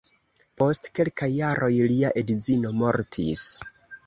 Post kelkaj jaroj lia edzino mortis.